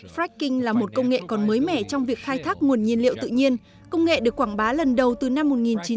fracking là một công nghệ còn mới mẻ trong việc khai thác nguồn nhiên liệu tự nhiên công nghệ được quảng bá lần đầu từ năm một nghìn chín trăm chín mươi